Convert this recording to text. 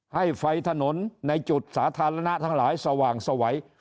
ให้ไฟถนนในจุดสาธารณะทั้งหลายสว่างสวัย